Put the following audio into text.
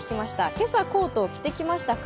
今朝コートを着てきましたか？